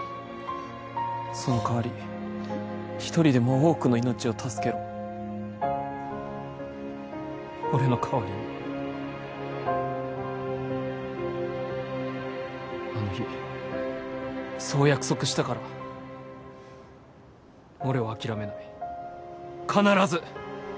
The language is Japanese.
その代わり一人でも多くの命を助けろ俺の代わりにあの日そう約束したから俺は諦めない必ず！